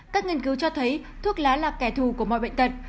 các nghiên cứu cho thấy thuốc lá là kẻ thù của mọi bệnh tật